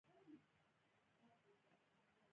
د کولمو د درد لپاره کوم څاڅکي وکاروم؟